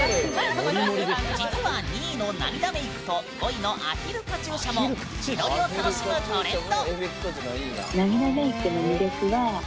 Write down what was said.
実は２位の「涙メーク」と５位の「アヒルカチューシャ」も自撮りを楽しむトレンド。